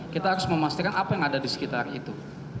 kita harus memastikan apa yang ada di sekitar itu